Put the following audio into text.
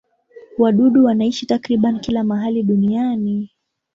Wadudu wanaishi takriban kila mahali duniani.